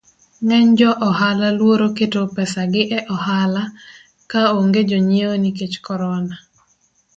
Ng'eny jo ohala luoro keto pesagi eohala ka onge jonyiewo nikech corona.